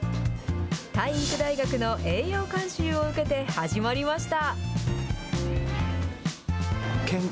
体育大学の栄養監修を受けて始まりました。